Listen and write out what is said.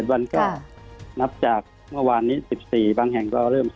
วันก็นับจากเมื่อวานนี้๑๔บางแห่งก็เริ่ม